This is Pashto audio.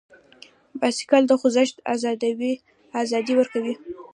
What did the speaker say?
بایسکل د خوځښت ازادي ورکوي.